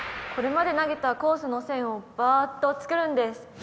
これまで投げたコースの線をバーッと作るんです。